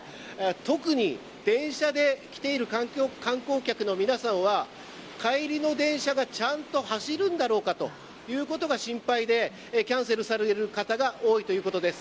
特に電車で来ている観光客の皆さんは帰りの電車がちゃんと走るんだろうかということが心配で、キャンセルされる方が多いということです。